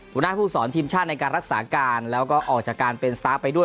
หัวหน้าผู้สอนทีมชาติในการรักษาการแล้วก็ออกจากการเป็นสตาร์ฟไปด้วย